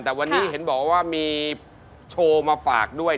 แต่วันนี้เห็นบอกว่ามีโชว์มาฝากด้วย